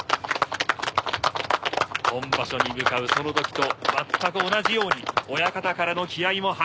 本場所に向かうそのときとまったく同じように親方からの気合も入りました。